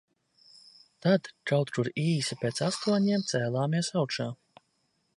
Tad kaut kur īsi pēc astoņiem cēlāmies augšā.